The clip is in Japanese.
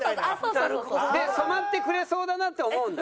なるほど。で染まってくれそうだなって思うんだ。